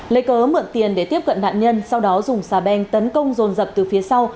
lấy cớ mượn tiền để tiếp cận nạn nhân sau đó dùng xà beng tấn công rồn rập từ phía sau